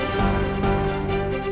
ini gak mungkin